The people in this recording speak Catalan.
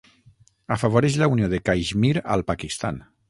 Afavoreix la unió de Caixmir al Pakistan.